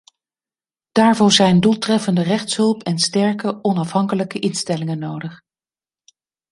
Daarvoor zijn doeltreffende rechtshulp en sterke, onafhankelijke instellingen nodig.